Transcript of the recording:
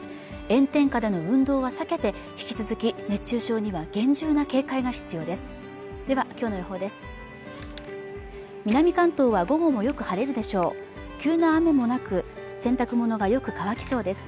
炎天下での運動は避けて引き続き熱中症には厳重な警戒が必要ですではきょうの予報です